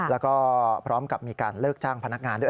แล้วก็พร้อมกับมีการเลิกจ้างพนักงานด้วย